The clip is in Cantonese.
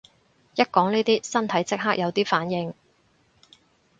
一講呢啲身體即刻有啲反應